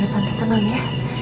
tante tenang ya